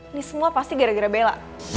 ini semua pasti gara gara bela